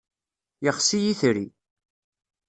Yexsi yitri.